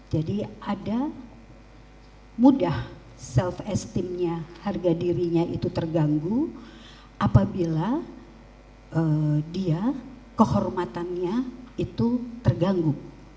jadi ada mudah self esteem nya harga dirinya itu terganggu apabila dia kehormatannya itu terganggu